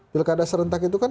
pilkada serentak itu kan